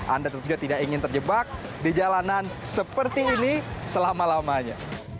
anda tetap juga tidak ingin terjebak di jalanan seperti ini selama lamanya